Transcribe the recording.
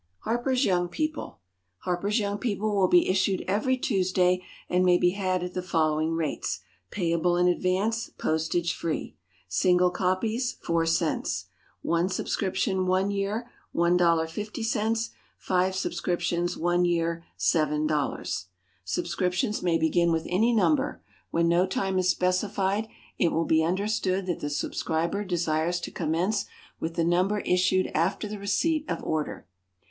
HARPER'S YOUNG PEOPLE. HARPER'S YOUNG PEOPLE will be issued every Tuesday, and may be had at the following rates payable in advance, postage free: SINGLE COPIES $0.04 ONE SUBSCRIPTION, one year 1.50 FIVE SUBSCRIPTIONS, one year 7.00 Subscriptions may begin with any Number. When no time is specified, it will be understood that the subscriber desires to commence with the Number issued after the receipt of order.